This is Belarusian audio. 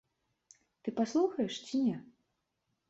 Ты паслухаеш ці не?